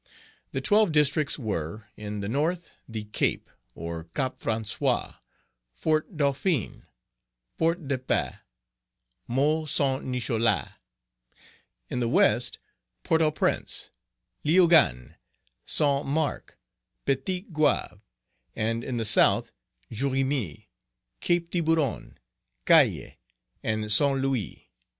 The twelve Districts were, in the north, the Cape, or Cap François, Fort Dauphin, Port de Paix, Môle Saint Nicholas; in the west, Port au Prince, Leogane, Saint Marc, Petit Goave; and in the south, Jérémie, Cape Tiburon, Cayes, and St. Louis.